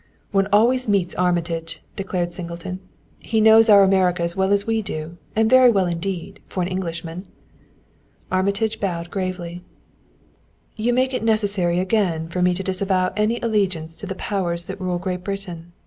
"One always meets Armitage!" declared Singleton. "He knows our America as well as we do and very well indeed for an Englishman." Armitage bowed gravely. "You make it necessary again for me to disavow any allegiance to the powers that rule Great Britain.